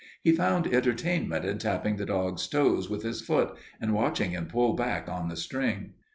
He found entertainment in tapping the dog's toes with his foot and watching him pull back on the string.